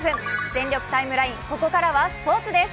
「全力タイムライン」、ここからはスポーツです。